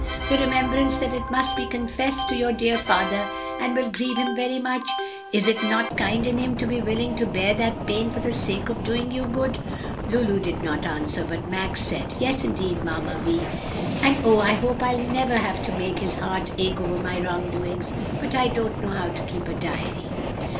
the remembrance that it must be confessed to your dear father and will grieve him very much? Is it not kind in him to be willing to bear that pain for the sake of doing you good?" Lulu did not answer, but Max said, "Yes, indeed, Mamma Vi! and oh, I hope I'll never have to make his heart ache over my wrongdoings! But I don't know how to keep a diary."